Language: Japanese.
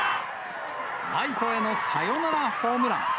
ライトへのサヨナラホームラン。